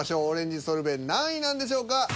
オレンジソルベ何位なんでしょうか。